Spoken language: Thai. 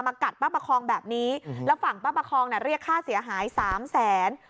กัดป้าประคองแบบนี้แล้วฝั่งป้าประคองน่ะเรียกค่าเสียหายสามแสน